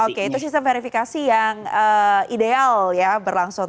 oke itu sistem verifikasi yang ideal ya berlangsung